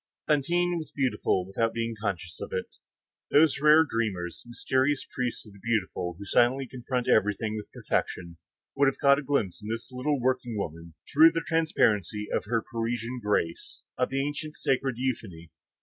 Fantine was beautiful, without being too conscious of it. Those rare dreamers, mysterious priests of the beautiful who silently confront everything with perfection, would have caught a glimpse in this little working woman, through the transparency of her Parisian grace, of the ancient sacred euphony.